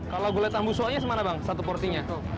kalau goletan busuanya semana bang satu porsinya